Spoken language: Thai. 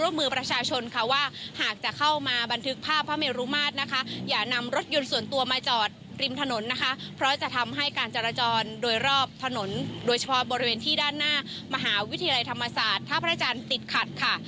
เพราะจะทำให้การจราจรโดยรอบถนนโดยเฉพาะบริเวณที่ด้านหน้ามหาวิทยาลัยธรรมศาสตร์ท่าพระอาจารย์ติดขัดค่ะ